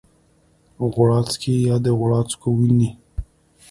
غوړاڅکی یا د غوړاڅکو ونې